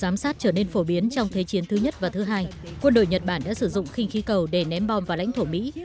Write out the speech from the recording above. giám sát trở nên phổ biến trong thế chiến thứ nhất và thứ hai quân đội nhật bản đã sử dụng khinh khí cầu để ném bom vào lãnh thổ mỹ